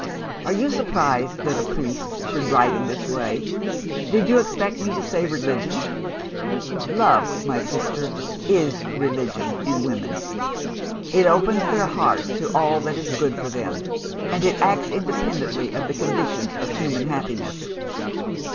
Are you surprised that a priest should write in this way? Did you expect me to say, Religion? Love, my sister, is Religion, in women. It opens their hearts to all that is good for them; and it acts independently of the conditions of human happiness.